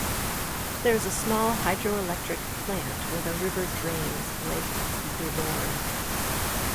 There is a small hydroelectric plant where the river drains Lake Duborne.